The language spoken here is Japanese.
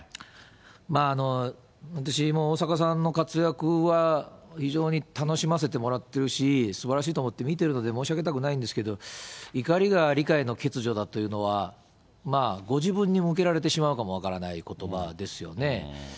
まあ、私も大坂さんの活躍は非常に楽しませてもらってるし、すばらしいと思って見てるので申し上げたくないんですけど、怒りが理解の欠如だというのは、まあ、ご自分に向けられてしまうかも分からないことばですよね。